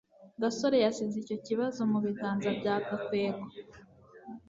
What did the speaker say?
gasore yasize icyo kibazo mu biganza bya gakwego